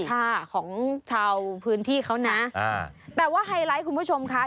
ค่ะของชาวพื้นที่เขานะอ่าแต่ว่าไฮไลท์คุณผู้ชมค่ะ